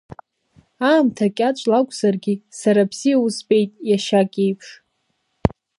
Аамҭа кьаҿла акәзаргьы, сара бзиа узбеит, иашьак еиԥш.